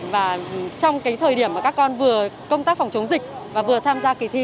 và trong cái thời điểm mà các con vừa công tác phòng chống dịch và vừa tham gia kỳ thi